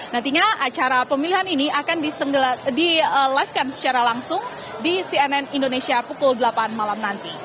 nantinya acara pemilihan ini akan di live kan secara langsung di cnn indonesia pukul delapan malam nanti